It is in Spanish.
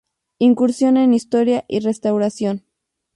Incursiona en historia y restauración.